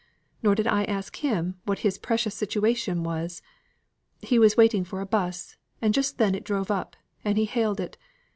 Nor did I ask him what his precious situation was. He was waiting for a bus, and just then it drove up, and he hailed it.